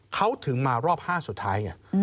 เขาถึงมารอบ๕สุดท้ายไง